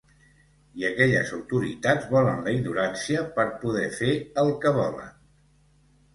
I aquelles autoritats volen la ignorància per poder fer el que volen.